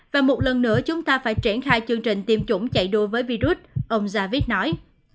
và một lần nữa chúng ta phải triển khai chương trình tiêm chủng chạy đua với virus ông zarvis nói